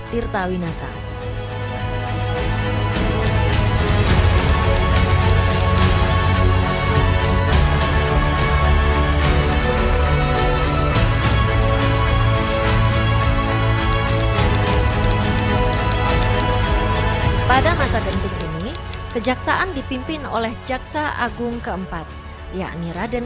tirta winata pada masa kepenting ini kejaksaan dipimpin oleh jaksa agung keempat yakni raden